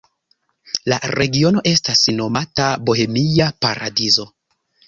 La regiono estas nomata Bohemia Paradizo.